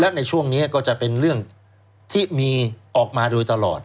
ในช่วงนี้ก็จะเป็นเรื่องที่มีออกมาโดยตลอด